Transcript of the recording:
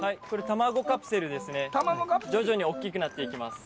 卵カプセル徐々に大きくなっていきます